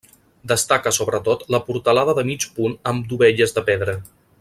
Destaca sobretot la portalada de mig punt amb dovelles de pedra.